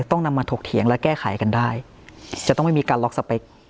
ต้องนำมาถกเถียงและแก้ไขกันได้จะต้องไม่มีการล็อกสเปค